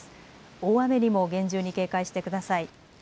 大雨にも厳重に警戒してください。